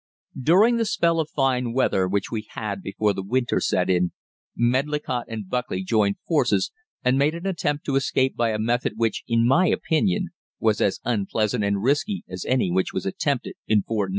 During the spell of fine weather which we had before the winter set in, Medlicott and Buckley joined forces and made an attempt to escape by a method which, in my opinion, was as unpleasant and risky as any which was attempted in Fort 9.